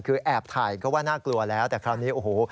คือแอบถ่ายก็ว่าน่ากลัวแล้วแต่คราวนี้โอ้โห